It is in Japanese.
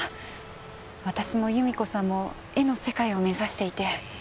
私も由美子さんも絵の世界を目指していて。